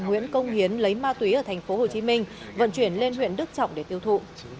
nguyễn công hiến lấy ma túy ở tp hcm vận chuyển lên huyện đức trọng để tiêu thụ